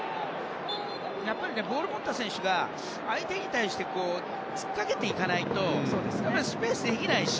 やっぱりボールを持った選手が相手に対してつっかけていかないとスペースができないし。